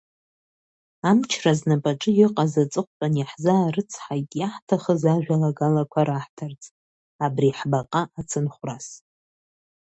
Амчра знапаҿы иҟаз аҵыхәтәан иаҳзаарыцҳаит иаҳҭахыз ажәалагалақәа раҳҭарц, абри ҳбаҟа ацынхәрас.